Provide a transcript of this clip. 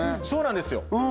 そうなんですよ